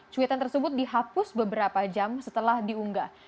cuitan tersebut dihapus beberapa jam setelah diunggah